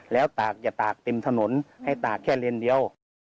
แล้วเเตี๋ยวจะตากเต็มถนนให้ตากแค่เล่นเดี๋ยว